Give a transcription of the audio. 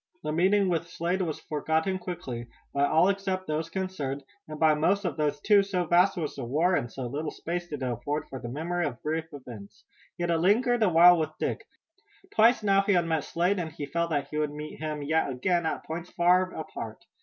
The meeting with Slade was forgotten quickly, by all except those concerned, and by most of those too, so vast was the war and so little space did it afford for the memory of brief events. Yet it lingered a while with Dick. Twice now he had met Slade and he felt that he would meet him yet again at points far apart.